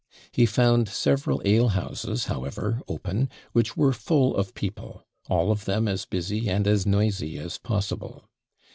He found several ale houses, however, open, which were full of people; all of them as busy and as noisy as possible.